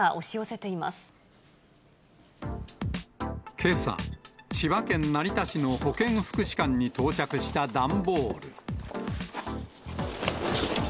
けさ、千葉県成田市の保健福祉館に到着した段ボール。